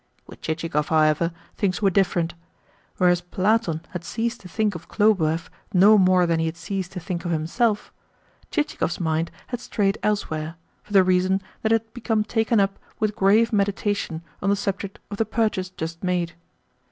With Chichikov, however, things were different. Whereas Platon had ceased to think of Khlobuev no more than he had ceased to think of himself, Chichikov's mind had strayed elsewhere, for the reason that it had become taken up with grave meditation on the subject of the purchase just made.